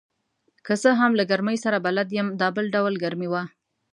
که څه هم له ګرمۍ سره بلد یم، دا بل ډول ګرمي وه.